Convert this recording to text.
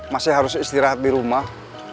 masih harus istirahat dirumah